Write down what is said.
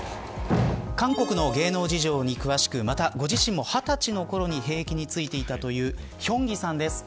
韓国の芸能事情に詳しくまたご自身も、２０歳のころに兵役に就いていたというヒョンギさんです。